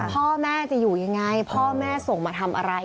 พ่อแม่จะอยู่ยังไงพ่อแม่ส่งมาทำอะไร